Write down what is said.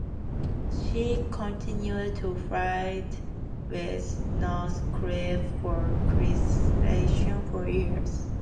She continued to fight with Northcliffe for circulation for years.